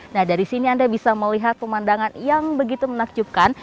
nah dari sini anda bisa melihat pemandangan yang begitu menakjubkan